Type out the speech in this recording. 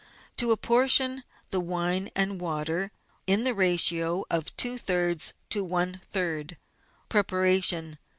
To apportion the wine and water in the ratio of two thirds to one third. Preparation.